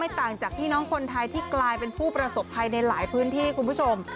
ต่างจากพี่น้องคนไทยที่กลายเป็นผู้ประสบภัยในหลายพื้นที่คุณผู้ชม